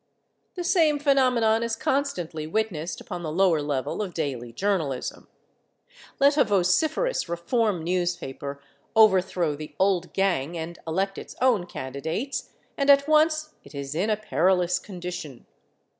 The same phenomenon is constantly witnessed upon the lower level of daily journalism. Let a vociferous "reform" newspaper overthrow the old gang and elect its own candidates, and at once it is in a perilous condition.